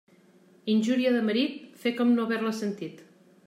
Injúria de marit, fer com no haver-la sentit.